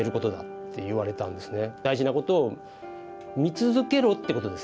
大事なことを見続けろっていうことですね。